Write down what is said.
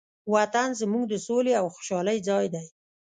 وطن زموږ د سولې او خوشحالۍ ځای دی.